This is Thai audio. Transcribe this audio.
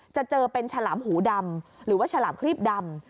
จะเจอเป็นฉลามหูดำหรือว่าฉลามครีบดำ